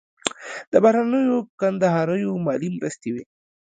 د بهرنیو کندهاریو مالي مرستې وې.